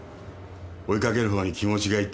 追いかけるのに気持ちがいってて。